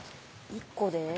１個で？